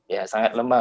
ya sangat lemah